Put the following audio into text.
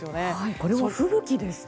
これは吹雪ですか？